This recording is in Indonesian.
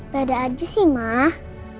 beda aja sih mah